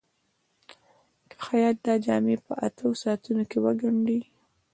که خیاط دا جامې په اتو ساعتونو کې وګنډي.